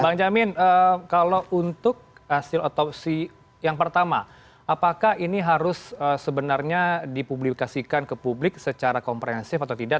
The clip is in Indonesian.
bang jamin kalau untuk hasil otopsi yang pertama apakah ini harus sebenarnya dipublikasikan ke publik secara komprehensif atau tidak